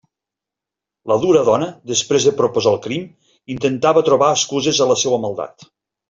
La dura dona, després de proposar el crim, intentava trobar excuses a la seua maldat.